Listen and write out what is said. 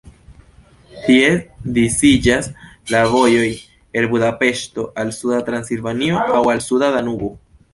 Tie disiĝas la vojoj el Budapeŝto al suda Transilvanio aŭ al suda Danubo.